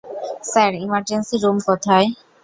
Sir, emergency room কোথায়?